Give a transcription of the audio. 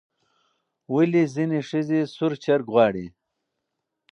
ولې ځینې ښځې سور چرګ غواړي؟